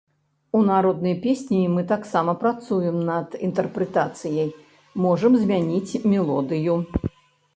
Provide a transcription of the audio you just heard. У народнай песні мы таксама працуем над інтэрпрэтацыяй, можам змяніць мелодыю.